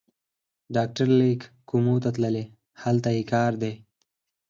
ډاکټر لېک کومو ته تللی، هلته یې کار دی.